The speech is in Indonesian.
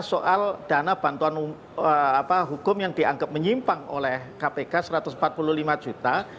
soal dana bantuan hukum yang dianggap menyimpang oleh kpk satu ratus empat puluh lima juta